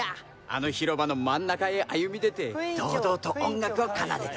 あの広場の真ん中へ歩み出て堂々と音楽を奏でた」